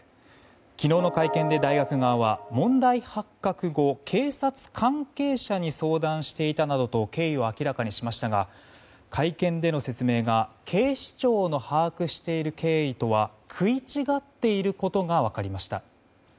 昨日の会見で大学側は問題発覚後警察関係者に相談していたなどと経緯を明らかにしましたが会見での説明が警視庁の把握している経緯とは食い違っていることが分かりました。